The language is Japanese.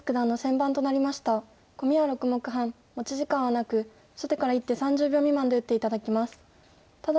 コミは６目半持ち時間はなく初手から１手３０秒未満で打って頂きます。